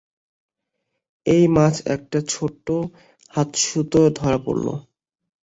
এই মাছ একটা ছোট হাতসুতোয় ধরা পড়ল।